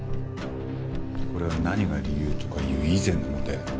これは何が理由とかいう以前の問題だ。